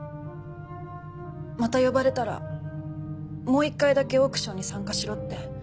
また呼ばれたらもう一回だけオークションに参加しろって。